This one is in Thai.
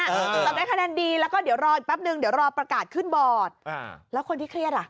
สอบได้คะแนนดีแล้วก็เดี๋ยวรออีกแป๊บนึงเดี๋ยวรอประกาศขึ้นบอร์ด